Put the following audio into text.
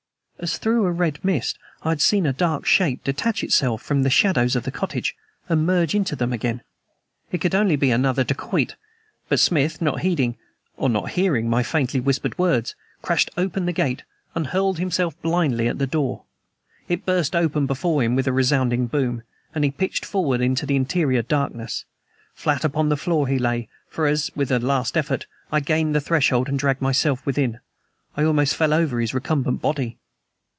As through a red mist I had seen a dark shape detach itself from the shadows of the cottage, and merge into them again. It could only be another dacoit; but Smith, not heeding, or not hearing, my faintly whispered words, crashed open the gate and hurled himself blindly at the door. It burst open before him with a resounding boom, and he pitched forward into the interior darkness. Flat upon the floor he lay, for as, with a last effort, I gained the threshold and dragged myself within, I almost fell over his recumbent body.